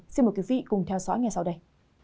xin mời quý vị cùng theo dõi ngay sau đây